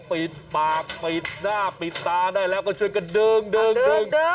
ปิดปากปิดหน้าปิดตาได้แล้วก็ช่วยกันดึง